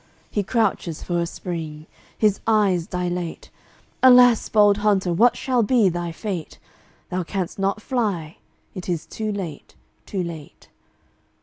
He crouches for a spring; his eyes dilate Alas! bold hunter, what shall be thy fate? Thou canst not fly; it is too late, too late.